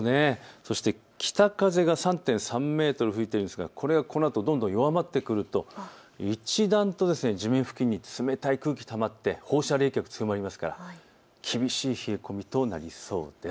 そして北風が３．３メートル吹いているんですがこれはこのあとどんどん弱まってくると一段と地面付近に冷たい空気、たまって放射冷却強まりますから、厳しい冷え込みとなりそうです。